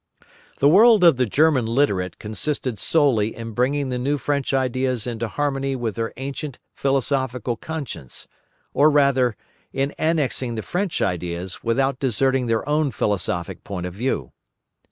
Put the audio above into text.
The world of the German literati consisted solely in bringing the new French ideas into harmony with their ancient philosophical conscience, or rather, in annexing the French ideas without deserting their own philosophic point of view.